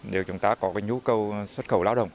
nếu chúng ta có cái nhu cầu xuất khẩu lao động